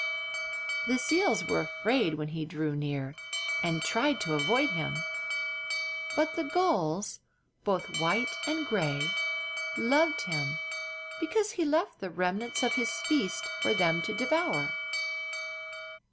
The seals were afraid when he drew near, and tried to avoid him; but the gulls, both white and gray, loved him because he left the remnants of his feasts for them to devour.